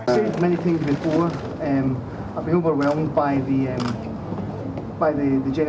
tôi rất thích bệnh nhân tôi rất thích bệnh nhân của bệnh viện